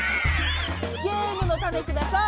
ゲームのタネください！